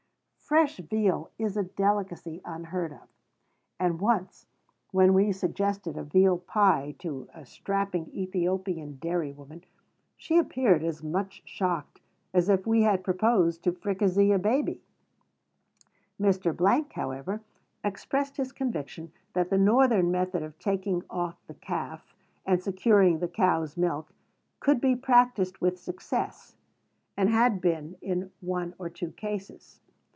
Fresh veal is a delicacy unheard of; and once, when we suggested a veal pie to a strapping Ethiopian dairy woman, she appeared as much shocked as if we had proposed to fricassee a baby. Mr. , however, expressed his conviction that the Northern method of taking off the calf, and securing the cow's milk, could be practised with success, and had been in one or two cases.